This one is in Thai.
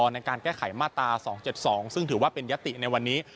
ในการแก้ไขมาตรา๒๗๒ซึ่งถือว่าเป็นยติในวันนี้